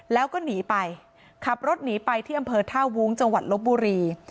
แล้วก็หนีไปขับรถหนีไปที่อำเภอท่าวุ้งจังหวัดลบบุรี